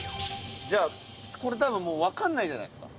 じゃあこれ多分もうわからないじゃないですか。